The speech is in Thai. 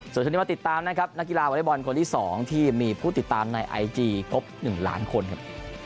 สวัสดีมาติดตามนะครับนักกีฬาวลายบอลคนที่สองที่มีผู้ติดตามในไอจีกบหนึ่งล้านคนครับ